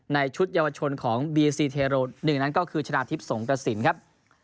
ในชุดเยาวชนของบีซีเทโรหนึ่งนั้นก็คือชนะทิพย์สงกระสินครับ